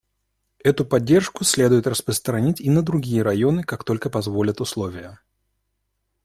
Эту поддержку следует распространить и на другие районы, как только позволят условия.